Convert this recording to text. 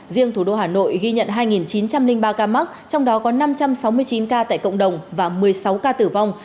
riêng thủ đô hà nội ghi nhận hai chín trăm linh ba ca mắc trong đó có năm trăm sáu mươi chín ca tại cộng đồng và một mươi sáu ca tử vong